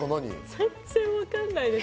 全然わかんないです。